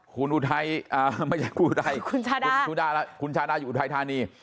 คุณอุทัยไม่ใช่คุณอุทัยคุณชาด้าคุณชาด้าอยู่อุทัยธานี